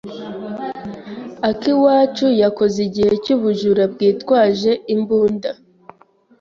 Akiwacu yakoze igihe cyubujura bwitwaje imbunda.